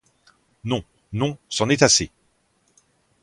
Non, non, c'en était assez!